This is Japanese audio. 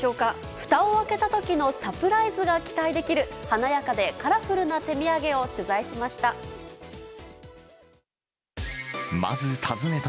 ふたを開けたときのサプライズが期待できる、華やかでカラフルな手土産を取材しました。